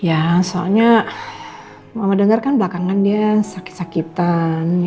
ya soalnya mama dengar kan belakangan dia sakit sakitan